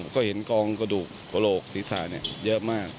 ก็เห็นกองกระดูกกระโหลกศีรษะเยอะมาก